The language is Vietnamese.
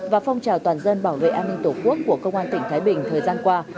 và phong trào toàn dân bảo vệ an ninh tổ quốc của công an tỉnh thái bình thời gian qua